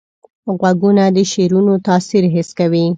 غوږونه د شعرونو تاثیر حس کوي